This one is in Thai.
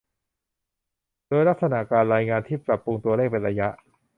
โดยลักษณะการรายงานที่ปรับปรุงตัวเลขเป็นระยะ